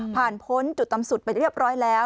พ้นจุดต่ำสุดไปเรียบร้อยแล้ว